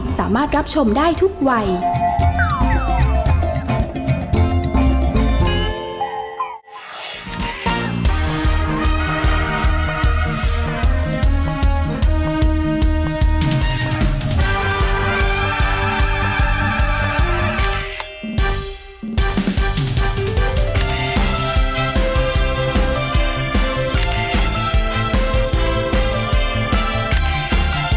แม่บ้านประจันทร์บ้านสวัสดีค่ะ